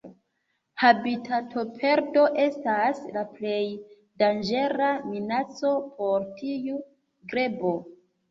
Habitatoperdo estas la plej danĝera minaco por tiu grebo.